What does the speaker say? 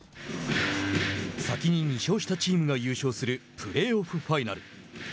先に２勝したチームが優勝するプレーオフファイナル。